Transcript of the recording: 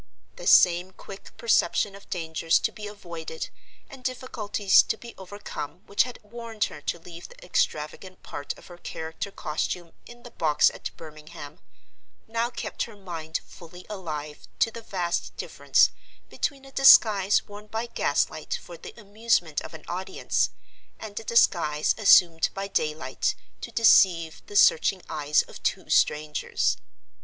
The same quick perception of dangers to be avoided and difficulties to be overcome which had warned her to leave the extravagant part of her character costume in the box at Birmingham now kept her mind fully alive to the vast difference between a disguise worn by gas light for the amusement of an audience and a disguise assumed by daylight to deceive the searching eyes of two strangers.